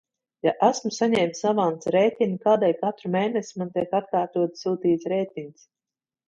Ja esmu saņēmis avansa rēķinu, kādēļ katru mēnesi man tiek atkārtoti sūtīts rēķins?